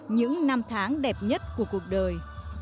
những năm tháng đẹp nhất của cuộc đời